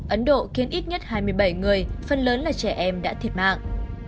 ấn độ khiến ít nhất hai mươi bảy người phần lớn là trẻ em đã thiệt mạng